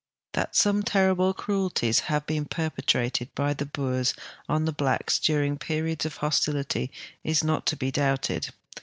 t'l'tiat some terrih'e cruelties have lieen porpetrateil hy the Boers on tho hlaehs during perioils of hostility is tiot to ho doui>ted.